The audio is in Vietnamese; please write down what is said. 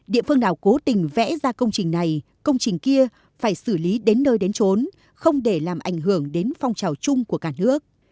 địa phương nào cố tình vẽ ra công trình này công trình kia phải xử lý đến nơi đến trốn không để làm ảnh hưởng đến phong trào chung của cả nước